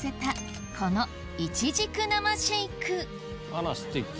あらすてき。